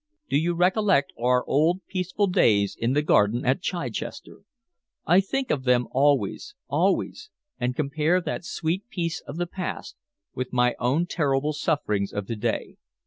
Do you recollect our old peaceful days in the garden at Chichester? I think of them always, always, and compare that sweet peace of the past with my own terrible sufferings of to day.